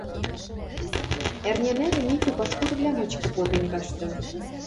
Ӓрня нӓрӹ Митю пашкудывлӓ мычкы попен кашты;